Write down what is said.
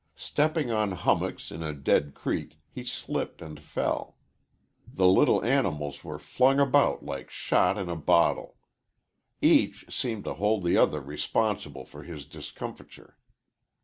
Stepping on hummocks in a dead creek, he slipped and fell. The little animals were flung about like shot in a bottle. Each seemed to hold the other responsible for his discomfiture.